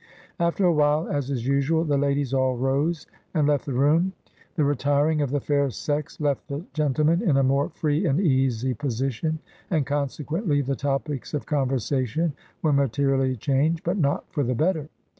After a while, as is usual, the ladies all rose and left the room. The retir ing of the fair sex left the gentlemen in a more free and easy position, and consequently, the topics of con versation were materially changed, but not for the bet ter.